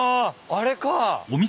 あれか。